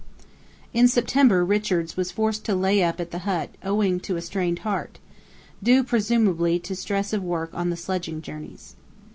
In September Richards was forced to lay up at the hut owing to a strained heart, due presumably to stress of work on the sledging journeys.